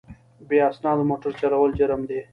بې اسنادو موټر چلول جرم دی.